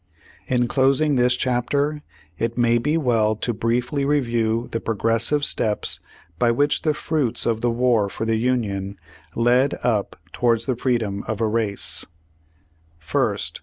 In closing this chapter, it may be well to briefly review the progressive steps by which the fruits of the war for the Union, led up towards the freedom of a race : "First.